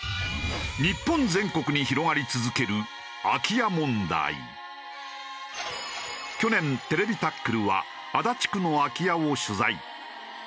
日本全国に広がり続ける去年『ＴＶタックル』は足立区の空き家を取材。